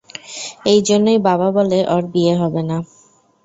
এজন্যই বাবা বলে ওর বিয়ে হবে না।